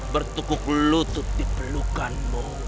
bertukuk lutut di pelukanmu